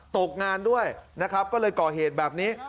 ตกงานด้วยนะครับก็เลยก่อเหตุแบบนี้